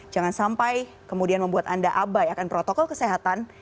jangan sampai kemudian membuat anda abai akan protokol kesehatan